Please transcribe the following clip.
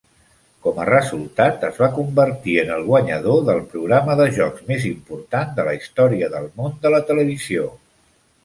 Com a resultat, es va convertir en el guanyador de programa de jocs més important de la història del món de la televisió.